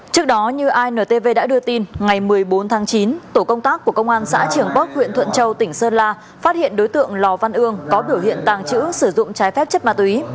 trước đó như intv đã đưa tin ngày một mươi bốn tháng chín tổ công tác của công an xã trường bắc huyện thuận châu tỉnh sơn la phát hiện đối tượng lò văn ương có biểu hiện tàng trữ sử dụng trái phép chất ma túy